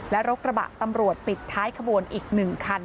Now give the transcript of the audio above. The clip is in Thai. และรถกระบะตำรวจปิดท้ายขบวนอีก๑คัน